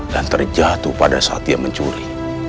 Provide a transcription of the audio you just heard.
dan terjatuh pada saat dia mencuri